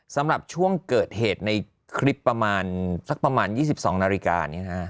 สำหรับช่วงเกิดเหตุในคลิปประมาณสักประมาณ๒๒นาฬิกา